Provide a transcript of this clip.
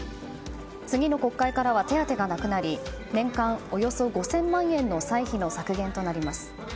次の国会からは手当がなくなり年間およそ５０００万円の歳費の削減となります。